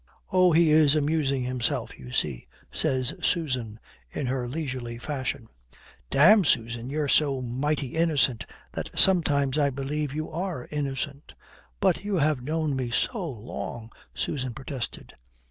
'" "Oh, he is amusing himself, you see," says Susan, in her leisurely fashion. "Damme, Susan, you're so mighty innocent that sometimes I believe you are innocent." "But you have known me so long," Susan protested.